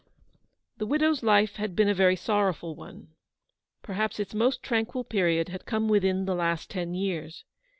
The widow's life had been a very sorrowful one. Perhaps its most tranquil period had come within the last ten years.